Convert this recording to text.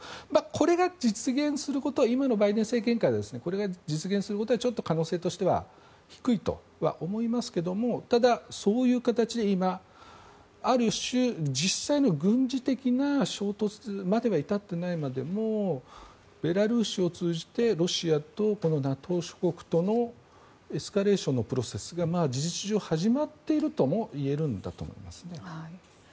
これが実現することは今のバイデン政権下ではこれが実現することは可能性としては低いと思いますがただ、そういう形で、今ある種実際の軍事的な衝突までは至っていないまでもベラルーシを通じてロシアとＮＡＴＯ諸国とのエスカレーションのプロセスが事実上始まっているとも言えるんだと思いますね。